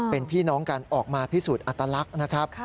เป็นพี่น้องกันออกมาพิสูจน์อัตลักษณ์นะครับ